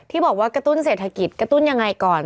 บอกว่ากระตุ้นเศรษฐกิจกระตุ้นยังไงก่อน